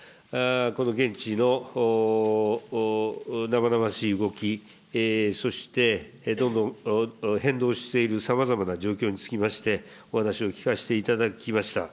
この現地の生々しい動き、そしてどんどん変動しているさまざまな状況につきまして、お話を聞かせていただきました。